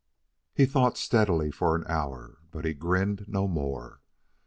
He thought steadily for an hour, but he grinned no more.